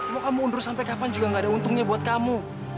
mau kamu mundur sampai kapan juga gak ada untungnya buat kamu